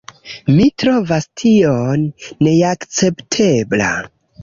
Mi trovas tion neakceptebla.